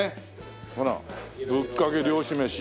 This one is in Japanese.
ほら「ぶっかけ漁師めし」。